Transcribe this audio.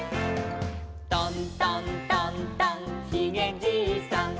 「トントントントンひげじいさん」